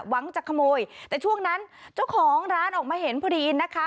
หวังจะขโมยแต่ช่วงนั้นเจ้าของร้านออกมาเห็นพอดีนะคะ